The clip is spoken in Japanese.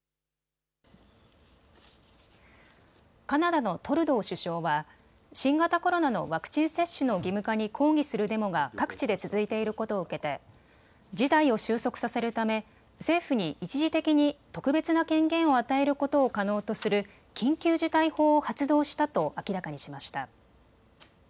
カナダのトルドー首相は新型コロナのワクチン接種の義務化に抗議するデモが各地で続いていることを受けて事態を収束させるため政府に一時的に特別な権限を与えることを可能とする緊急事態法を発動したと明らかにしました。